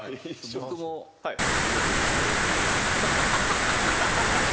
僕も動くんですけど。